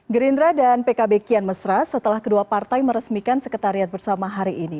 gerindra dan pkb kian mesra setelah kedua partai meresmikan sekretariat bersama hari ini